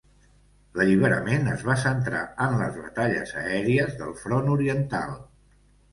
L'alliberament es va centrar en les batalles aèries del Front Oriental.